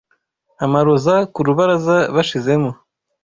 Amaroza ku rubaraza bashizemo: